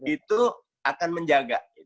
itu akan menjaga